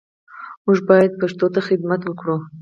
موږ باید پښتو ته خدمت وکړو